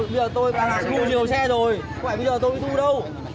bây giờ tôi đã thu nhiều xe rồi bây giờ tôi bị thu đâu